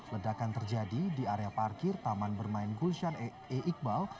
ledakan terjadi di area parkir taman bermain gulsian e iqbal